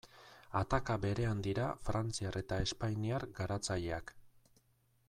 Ataka berean dira frantziar eta espainiar garatzaileak.